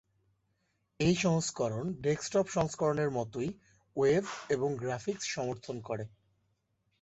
এই সংস্করণ ডেক্সটপ সংস্করণের মতই ওয়েব এবং গ্রাফিক্স সমর্থন করে।